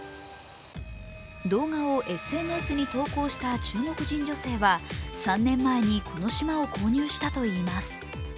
動画をＳＮＳに投稿した中国人女性は３年前にこの島を購入したといいます。